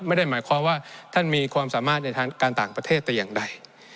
ไม่ได้หมายความว่าท่านมีความสามารถในทางการต่างประเทศแต่อย่างใด